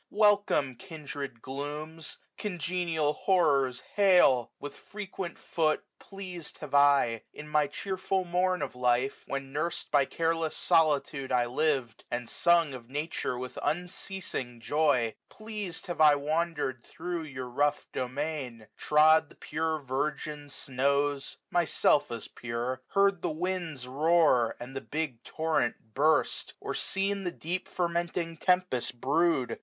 Welcome, kindred glooms! 5 Congenial horrors^ hail! with frequent foot, Elea»'d.bave I, in my.cheerful mom of life. When nurs d:by careless solitude I livM, And sung of Nature with unceasing joy, Fleas'd have I wandered thro' your rough domain; 10 Trod the pure virgin snows, myself as pure ; Heai4 the winds roar, and the big torrent burst ; Or wax the deep fermenting tempest brew'd.